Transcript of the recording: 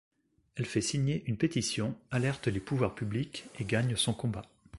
Elle fait signer une pétition, alerte les pouvoirs publics et gagne son combat.